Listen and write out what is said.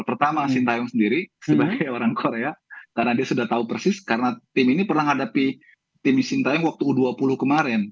pertama sintayong sendiri sebagai orang korea karena dia sudah tahu persis karena tim ini pernah menghadapi tim sintayong waktu u dua puluh kemarin